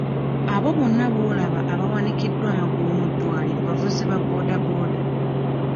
Abo bonna b'olaba abawanikiddwa amagulu mu ddwaliro bavuzi ba boda boda.